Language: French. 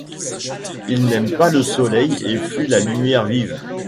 Il n'aime pas le soleil et fuit la lumière vive.